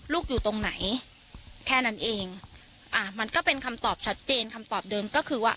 อยู่ตรงไหนแค่นั้นเองอ่ามันก็เป็นคำตอบชัดเจนคำตอบเดิมก็คือว่า